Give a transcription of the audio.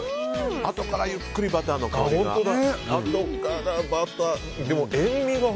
あとからゆっくりバターの香りが。